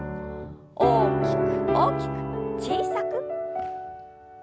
大きく大きく小さく。